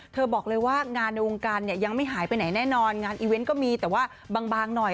บอกเลยว่างานในวงการเนี่ยยังไม่หายไปไหนแน่นอนงานอีเวนต์ก็มีแต่ว่าบางหน่อย